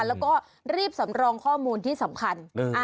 แล้วก็รีบสำรองข้อมูลที่สำคัญ